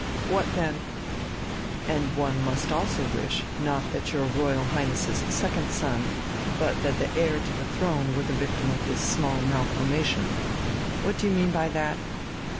"What then?" "And one must almost wish, not that your Royal Highness's second son, but that the heir to the throne were the victim of this small malformation." "What do you mean by that?"